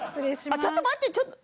あっちょっと待ってちょっと。